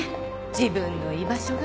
自分の居場所が。